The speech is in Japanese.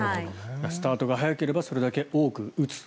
スタートが早ければそれだけ多く打つと。